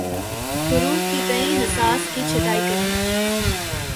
حروف کے تئیں حساس کی چھٹائی کریں